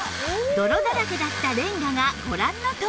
泥だらけだったレンガがご覧のとおり